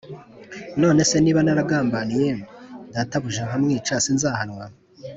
None se niba naragambaniye databuja nkamwica sinzahanwa